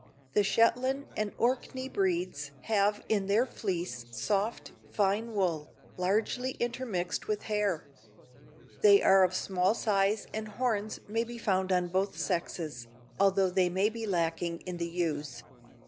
The Shetland and Orkney breeds have in their fleece soft, fine wool, largely intermixed with hair. They are of small size and horns may be found on both sexes, although they may be lacking in the ewes.